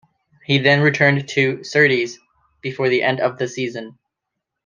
He then returned to Surtees before the end of the season.